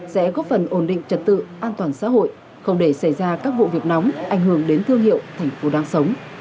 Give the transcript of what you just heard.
sẽ góp phần ổn định trật tự an toàn xã hội không để xảy ra các vụ việc nóng ảnh hưởng đến thương hiệu thành phố đang sống